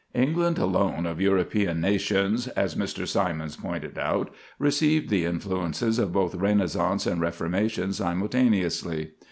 "England, alone of European nations," as Mr. Symonds pointed out, "received the influences of both Renaissance and Reformation simultaneously."